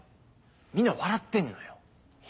みんな笑ってんのよ。